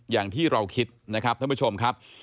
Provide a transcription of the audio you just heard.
อย่างที่เราคิดนะครับท่านผู้ชมครับ